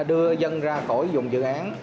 đưa dân ra khỏi dùng dự án